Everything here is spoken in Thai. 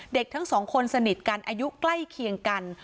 เด็กทั้งสองคนสนิทกันอายุใกล้เคียงกัน